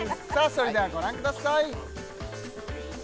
それではご覧ください